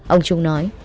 ông thương nói